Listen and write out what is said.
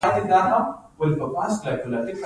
ایا زه باید په ارام کې ویده شم؟